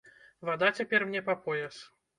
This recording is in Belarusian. Вада цяпер мне па пояс.